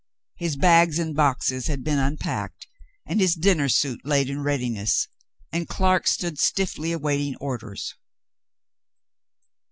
His bags and boxes had been unpacked and his dinner suit laid in readiness, and Clark stood stiffly await ing orders.